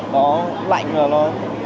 nó lạnh rồi nó